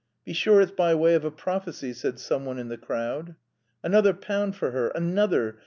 "Be sure it's by way of a prophecy," said someone in the crowd. "Another pound for her, another!"